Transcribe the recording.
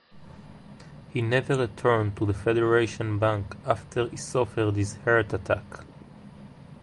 He never returned to Federation Bank after he suffered his heart attack.